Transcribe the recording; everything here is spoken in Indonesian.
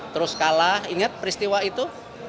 terus kalah ingat peristiwa itu